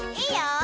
いいよ。